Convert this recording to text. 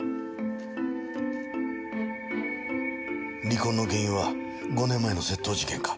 離婚の原因は５年前の窃盗事件か？